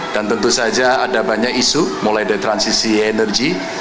dan tentu saja ada banyak isu mulai dari transisi energi